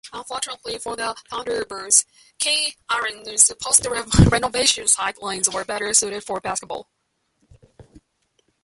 Unfortunately for the Thunderbirds, KeyArena's post-renovation sight lines were better suited for basketball.